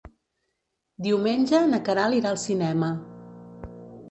Diumenge na Queralt irà al cinema.